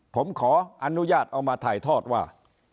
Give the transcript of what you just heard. ผมขออนุญาตเอามาถ่ายทอดว่า